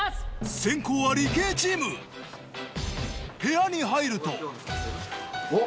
先攻は理系チーム部屋に入るとおっ！